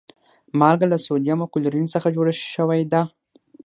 مالګه له سودیم او کلورین څخه جوړه شوی ده